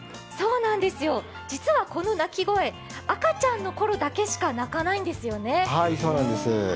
実はこの鳴き声、赤ちゃんのころだけしか鳴かないんですよね。